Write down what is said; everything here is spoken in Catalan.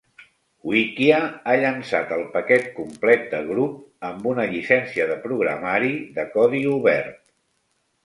Wikia ha llançat el paquet complet de Grub amb una llicència de programari de codi obert.